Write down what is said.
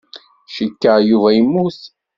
Cikkeɣ Yuba yemmut.